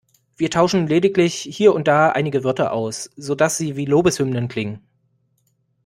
Wir tauschen lediglich hier und da einige Wörter aus, sodass sie wie Lobeshymnen klingen.